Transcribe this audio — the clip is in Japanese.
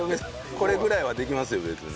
これぐらいはできますよ別に。